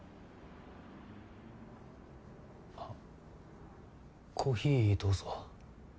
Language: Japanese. あっコーヒーどうぞ。